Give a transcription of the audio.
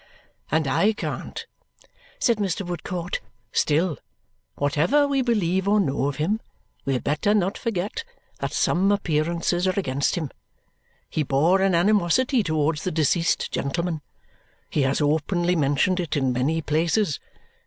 "And I can't," said Mr. Woodcourt. "Still, whatever we believe or know of him, we had better not forget that some appearances are against him. He bore an animosity towards the deceased gentleman. He has openly mentioned it in many places.